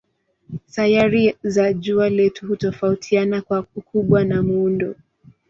Sayari za jua letu hutofautiana kwa ukubwa na muundo.